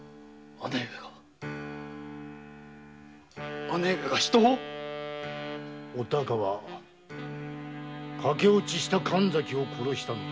姉上が⁉姉上が人を⁉お孝は駆け落ちした神崎を殺したのだ。